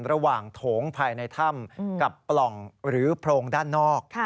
โถงภายในถ้ำกับปล่องหรือโพรงด้านนอก